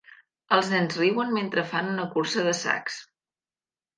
Els nens riuen mentre fan una cursa de sacs.